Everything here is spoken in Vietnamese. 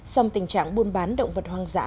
xong tình trạng buôn bán động vật hoang dã